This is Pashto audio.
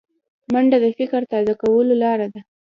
منډه د فکر تازه کولو لاره ده